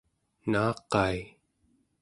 naaqai